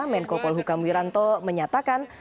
menko polhukam wiranto menyatakan